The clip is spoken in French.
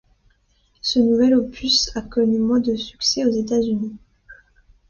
Ce nouvel opus a connu moins de succès aux États-Unis.